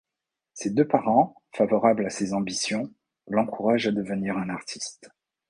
Ses deux parents, favorables à ses ambitions, l'encourage à devenir un artiste.